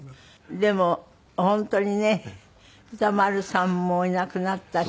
でも本当にね歌丸さんもいなくなったし。